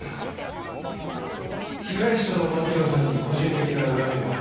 被害者の巻乃さんに個人的な恨みは？